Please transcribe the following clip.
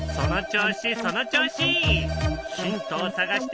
その調子その調子！